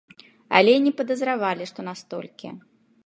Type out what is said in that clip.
Але і не падазравалі, што настолькі.